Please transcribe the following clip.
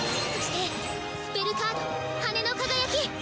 そしてスペルカード翅の輝き！